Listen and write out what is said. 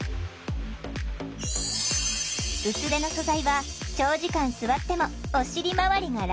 薄手の素材は長時間座ってもお尻回りが楽。